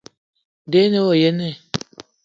De o ne wa yene?